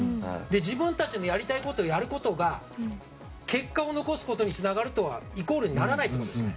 自分たちのやりたいことをやることが結果を残すことにつながることとイコールにならないわけです。